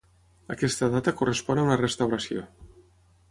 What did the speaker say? Aquesta data correspon a una restauració.